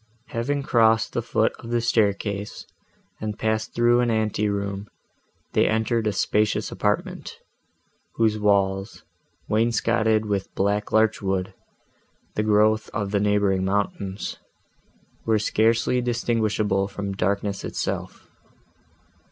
Having crossed the foot of the staircase, and passed through an ante room, they entered a spacious apartment, whose walls, wainscoted with black larch wood, the growth of the neighbouring mountains, were scarcely distinguishable from darkness itself.